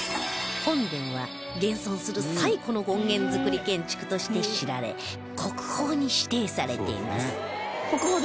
本殿は現存する最古の権現造り建築として知られ国宝に指定されています